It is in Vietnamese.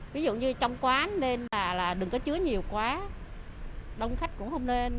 ví dụ như trong quán nên là đường có chứa nhiều quá đông khách cũng không nên